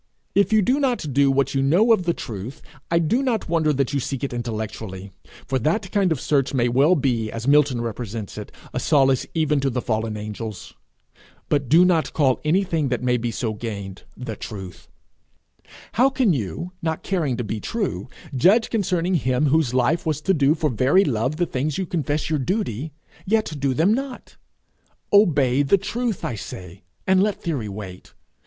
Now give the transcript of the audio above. If you do not do what you know of the truth, I do not wonder that you seek it intellectually, for that kind of search may well be, as Milton represents it, a solace even to the fallen angels. But do not call anything that may be so gained, The Truth. How can you, not caring to be true, judge concerning him whose life was to do for very love the things you confess your duty, yet do them not? Obey the truth, I say, and let theory wait.